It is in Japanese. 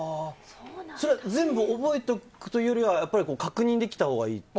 全部覚えておくというよりは、確認できた方がいいという。